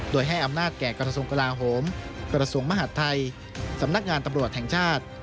โดยให้อำนาจแก่กรสงค์กราโหมกรสงค์มหัฐไทยสำนักงานตำรวจแห่งชาติ